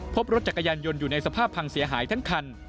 พบรถจักรยานยนต์อยู่ในสภาพพังเสียหายทั้งคัน